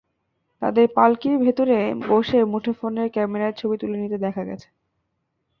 তাঁদের পালকির ভেতরে বসে মুঠোফোনের ক্যামেরায় ছবি তুলে নিতে দেখা গেছে।